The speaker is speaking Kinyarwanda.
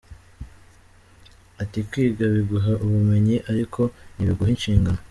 Ati “Kwiga biguha ubumenyi ariko ntibiguha inshingano.